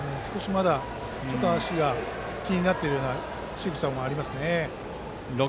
まだ少し足が気になっているようなしぐさもありますね。